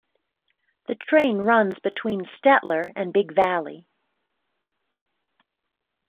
The train runs between Stettler and Big Valley.